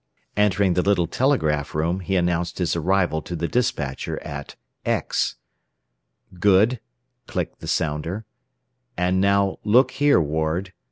Entering the little telegraph room, he announced his arrival to the despatcher at "X." "Good," clicked the sounder. "And now, look here, Ward.